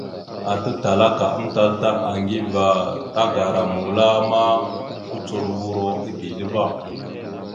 Ata Talaka amtal ata Aŋgiva tagara mula ma, ocolovura a dezl ava.